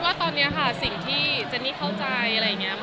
ว่าตอนนี้ค่ะสิ่งที่เจนนี่เข้าใจอะไรอย่างนี้